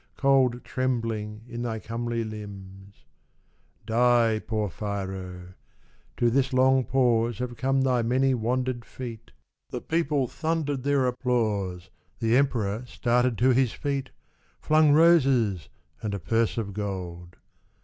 Cold trembling in thy comely limbs. Die Porphyro !— To this long pause Have come thy many wandered feet. — The people thundered their applause, The Emperor started to his feet, 50 Porphyro. Flung roses and a purse of gold.